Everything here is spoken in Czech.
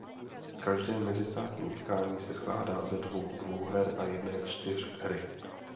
Každé mezistátní utkání se skládá ze dvou dvouher a jedné čtyřhry.